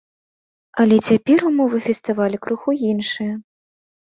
Але цяпер умовы фестывалю крыху іншыя.